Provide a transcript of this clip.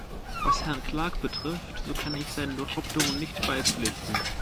Was Herrn Clark betrifft, so kann ich seinen Behauptungen nicht beipflichten.